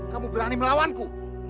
kamu berani melawanku